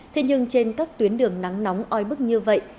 thế nhưng trên các tuyến đường nắng nóng oi bức như vậy